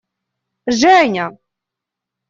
Женя!